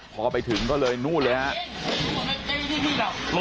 พอไปถึงก็เลยนู่เลยฮะ